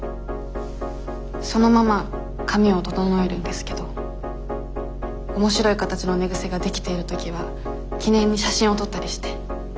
そのまま髪を整えるんですけど面白い形の寝癖ができている時は記念に写真を撮ったりして。